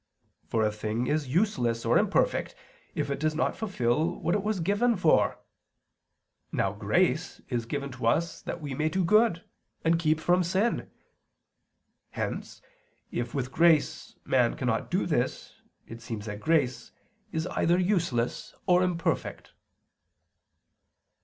For a thing is useless or imperfect, if it does not fulfil what it was given for. Now grace is given to us that we may do good and keep from sin. Hence if with grace man cannot do this, it seems that grace is either useless or imperfect.